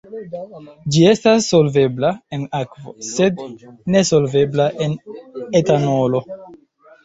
Ĝi estas solvebla en akvo, sed nesolvebla en etanolo.